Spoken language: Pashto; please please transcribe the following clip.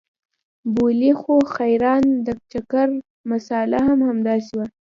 بولې خو خير ان د چکر مساله هم همداسې وه.